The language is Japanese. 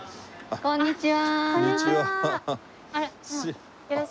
こんにちは。